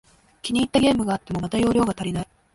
気に入ったゲームがあっても、また容量が足りない